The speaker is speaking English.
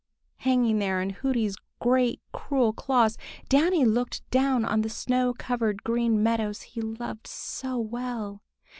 Hanging there in Hooty's great cruel claws, Danny looked down on the snow covered Green Meadows he loved so well.